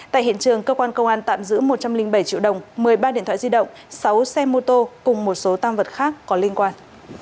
tại hiện trường cơ quan công an tạm giữ một trăm linh bảy triệu đồng một mươi ba điện thoại di động sáu xe mô tô cùng một số tam vật khác có liên quan